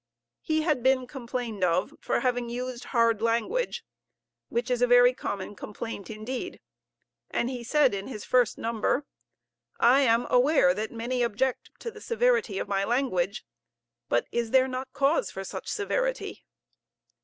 He had been complained of for having used hard language, which is a very common complaint indeed, and he said in his first number: "I am aware that many object to the severity of my language, but is there not cause for such severity?